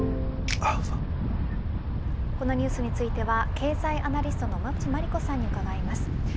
このニュースについては経済アナリストの馬渕磨理子さんに伺います。